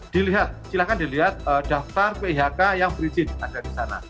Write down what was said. dilihat silahkan dilihat daftar phk yang berizin ada di sana